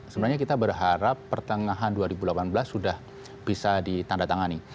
sebenarnya kita berharap pertengahan dua ribu delapan belas sudah bisa ditandatangani